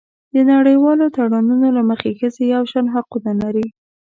د نړیوالو تړونونو له مخې ښځې یو شان حقونه لري.